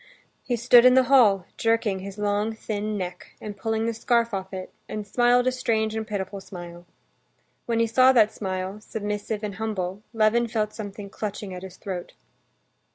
He stood in the hall, jerking his long thin neck, and pulling the scarf off it, and smiled a strange and pitiful smile. When he saw that smile, submissive and humble, Levin felt something clutching at his throat.